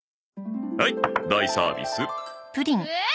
はい大サービス。わい！